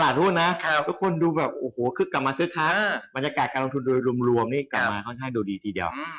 นู่นนะทุกคนดูแบบโอ้โหคึกกลับมาซื้อค้าบรรยากาศการลงทุนโดยรวมนี่กลับมาค่อนข้างดูดีทีเดียว